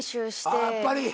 あやっぱり！え！